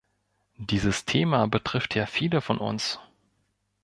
Dieses Thema betrifft ja viele von uns.